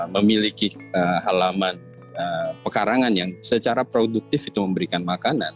memiliki halaman pekarangan yang secara produktif itu memberikan makanan